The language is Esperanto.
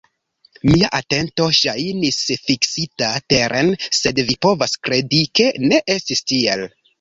Mia atento ŝajnis fiksita teren, sed vi povas kredi, ke ne estis tiel.